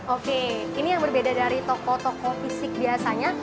oke ini yang berbeda dari toko toko fisik biasanya